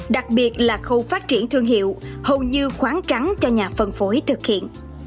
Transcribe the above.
đặc biệt là khâu phát triển thương hiệu hầu như khoáng trắng cho nhà phân phối thực hiện